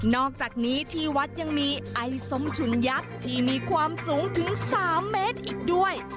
อกจากนี้ที่วัดยังมีไอ้ส้มฉุนยักษ์ที่มีความสูงถึง๓เมตรอีกด้วย